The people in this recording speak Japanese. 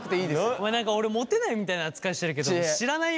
ごめん何か俺モテないみたいな扱いしてるけど知らないよ？